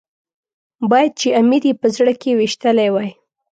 باید چې امیر یې په زړه کې ويشتلی وای.